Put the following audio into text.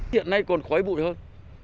hiện nay còn khói bụi hơn